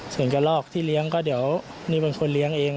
ส่วนกระลอกที่เลี้ยงก็เดี๋ยวนี่เป็นคนเลี้ยงเอง